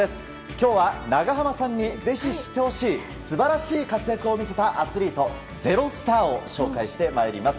今日は長濱さんにぜひ知ってほしい素晴らしい活躍を見せたアスリート「＃ｚｅｒｏｓｔａｒ」を紹介してまいります。